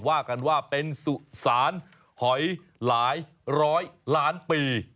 ว่ากันว่าเป็นสุสานหอยหลายร้อยล้านปี